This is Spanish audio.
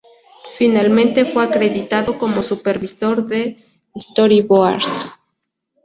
Finalmente fue acreditado como supervisor de storyboard.